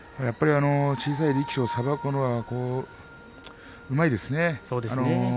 やっぱり小さい力士をさばくのがうまいですね。